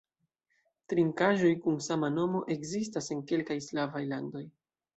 Trinkaĵoj kun sama nomo ekzistas en kelkaj slavaj landoj.